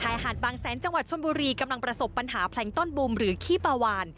หาดบางแสนจังหวัดชนบุรีกำลังประสบปัญหาแพลงต้อนบุมหรือขี้ปลาวาน